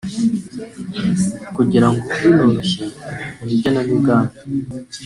kugira ngo binoroshye mu igenamigambi